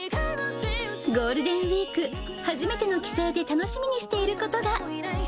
ゴールデンウィーク、初めての帰省で楽しみにしていることが。